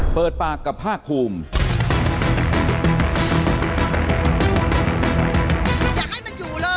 เปิดปากกับภาคภูมิ